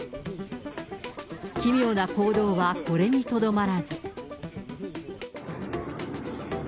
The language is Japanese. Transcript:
奇妙な行動はこれにとどまらず。